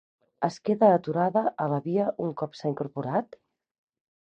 Es queda aturada a la via un cop s'ha incorporat?